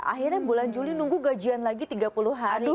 akhirnya bulan juli nunggu gajian lagi tiga puluh hari